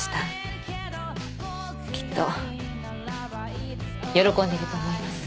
きっと喜んでると思います。